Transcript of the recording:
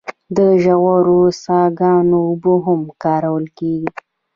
د ژورو څاګانو اوبه هم کارول کیږي.